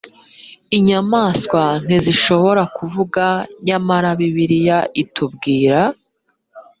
inyamaswa ntizishobora kuvuga nyamara bibiliya itubwira